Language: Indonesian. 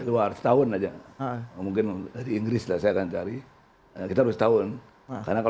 luar setahun aja mungkin dari inggris lah saya akan cari kita harus setahun